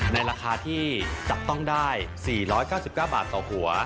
ในราคาที่จับต้องได้๔๙๙บาทต่อหัว